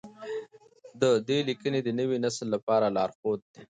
د ده لیکنې د نوي نسل لپاره لارښود دي.